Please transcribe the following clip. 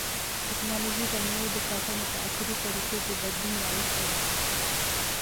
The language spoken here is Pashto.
تکنالوژي د مېوو د ساتنې په عصري طریقو کې بدلون راوستی دی.